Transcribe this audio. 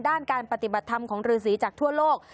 ด้านการปฏิบัติธรรมของฤษีจากทั่วโลก